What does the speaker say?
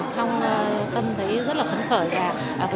trong tâm thấy rất là khấn khởi